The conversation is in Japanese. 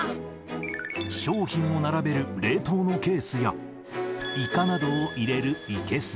商品を並べる冷凍のケースや、イカなどを入れる生けす。